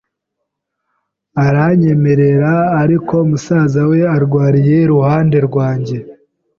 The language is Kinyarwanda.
aranyemerera ariko musaza we urwariye iruhande rwanjye